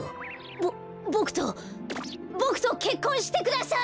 ボボクとボクとけっこんしてください！